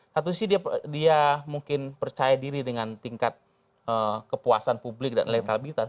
satu sisi dia mungkin percaya diri dengan tingkat kepuasan publik dan elektabilitas